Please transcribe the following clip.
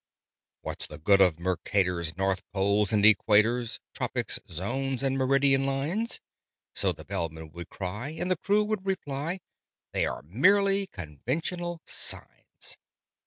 "What's the good of Mercator's North Poles and Equators, Tropics, Zones, and Meridian Lines?" So the Bellman would cry: and the crew would reply "They are merely conventional signs!